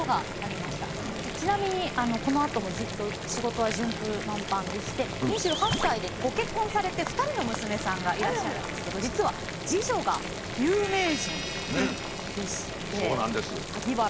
ちなみにこのあともずっと仕事は順風満帆でして２８歳でご結婚されて２人の娘さんがいらっしゃるんですけど実は次女が有名人でして。